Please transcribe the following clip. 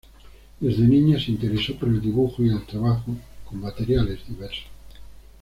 Desde niña se interesó por el dibujo y el trabajo con materiales diversos.